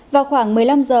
vào khoảng một mươi năm giờ